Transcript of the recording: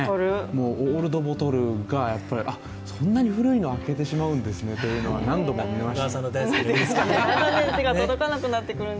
もうオールドボトル、そんなに古いの開けてしまうんですねっていうのを何度か見ました。